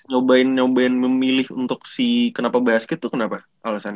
nyobain nyobain memilih untuk si kenapa basket itu kenapa alasannya